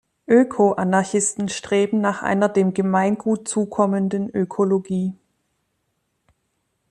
Öko-Anarchisten streben nach einer dem Gemeingut zukommenden Ökologie.